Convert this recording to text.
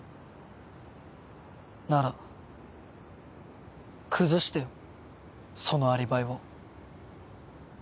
なら崩してよそのアリバイを。